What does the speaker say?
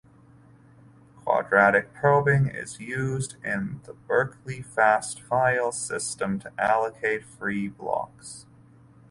Quadratic probing is used in the Berkeley Fast File System to allocate free blocks.